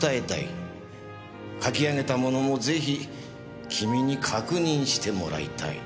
書き上げたものもぜひ君に確認してもらいたい。